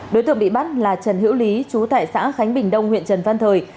đối tượng bị bắt là trần hữu lý chú tại xã khánh bình đông huyện trần văn thời